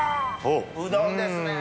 うどんですね。